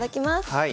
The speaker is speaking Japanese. はい。